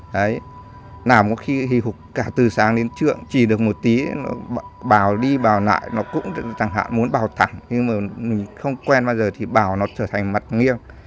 đấy làm có khi hì hục cả từ sáng đến trường chỉ được một tí bào đi bào lại nó cũng chẳng hạn muốn bào thẳng nhưng mà mình không quen bao giờ thì bào nó trở thành mặt nghiêng